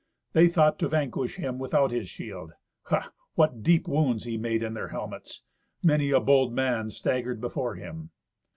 They thought to vanquish him without his shield. Ha! what deep wounds he made in their helmets! Many a bold man staggered before him.